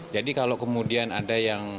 jadi kalau kemudian ada yang